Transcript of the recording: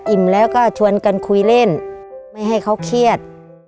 แล้วก็ชวนกันคุยเล่นไม่ให้เขาเครียด